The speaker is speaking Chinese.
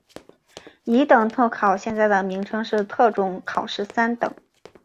乙等特考现在的名称是特种考试三等。